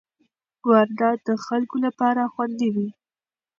واردات د خلکو لپاره خوندي وي.